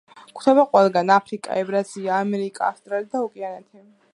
გვხვდება ყველგან: აფრიკა, ევრაზია, ამერიკა, ავსტრალია, ოკეანეთი.